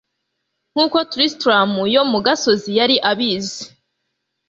Nkuko Tristram yo mu gasozi yari abizi